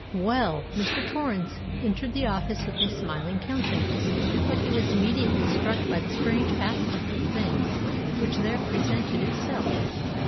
Well—Mr. Torrens entered the office with a smiling countenance:—but he was immediately struck by the strange aspect of things which there presented itself.